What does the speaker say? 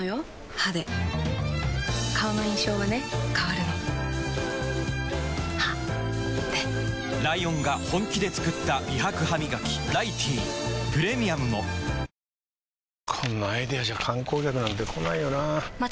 歯で顔の印象はね変わるの歯でライオンが本気で作った美白ハミガキ「ライティー」プレミアムもこんなアイデアじゃ観光客なんて来ないよなあ